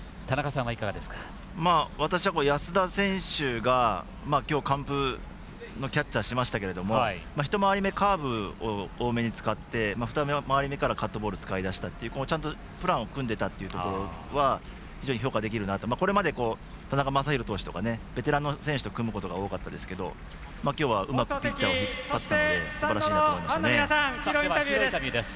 私は安田選手が今日完封のキャッチャーしましたけど一回り目、カーブを多めに使って二回り目からカットボールを使い出したちゃんとプランを組んでいたところが非常に評価できるなとこれまで田中将大選手とかベテランの選手と組むことが多かったですけどヒーローインタビューです。